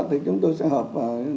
thì chúng tôi sẽ hợp